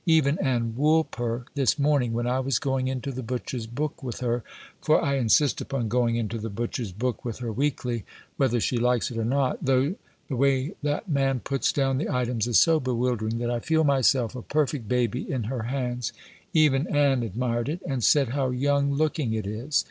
Even Ann Woolper this morning, when I was going into the butcher's book with her for I insist upon going into the butcher's book with her weekly, whether she likes it or not; though the way that man puts down the items is so bewildering that I feel myself a perfect baby in her hands, even Ann admired it, and said how young looking it is.